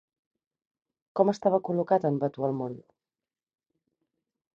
Com estava col·locat en Vatualmón?